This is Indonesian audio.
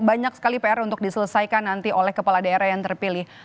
banyak sekali pr untuk diselesaikan nanti oleh kepala daerah yang terpilih